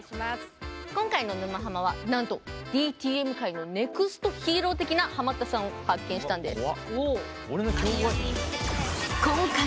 今回の「沼ハマ」はなんとＤＴＭ界のネクストヒーロー的なハマったさんを発見したんです。